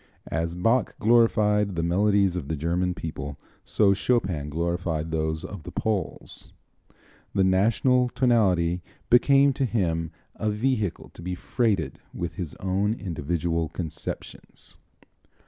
As Bach glorified the melodies of the German people, so Chopin glorified those of the Poles. The national tonality became to him a vehicle to be freighted with his own individual conceptions.